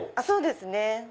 そうですね。